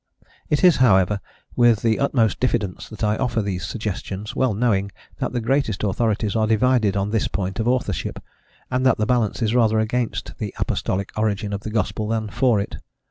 It is, however, with the utmost diffidence that I offer these suggestions, well knowing that the greatest authorities are divided on this point of authorship, and that the balance is rather against the apostolic origin of the gospel than for it.